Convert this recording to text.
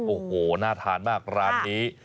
โอ้โหน่าทานมากร้านนี้